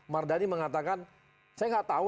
mardani mengatakan saya nggak tahu